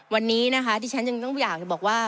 วันนี้ที่ฉันยังอยากจะบอกว่า